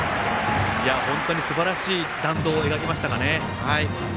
本当にすばらしい弾道を描きましたね。